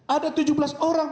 ada tujuh belas orang